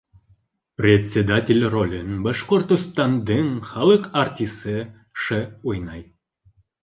Председатель ролен Башҡортостандың халыҡ артисы Ш. уйнай